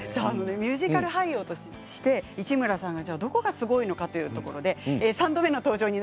ミュージカル俳優として市村さんのどこがすごいのか３度目の登場